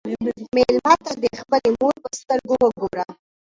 مېلمه ته د خپلې مور په سترګو وګوره.